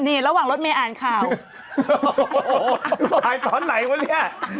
นี่ระหว่างรถเมย์อ่านข่าวโอ้โหถ่ายตอนไหนวะเนี่ย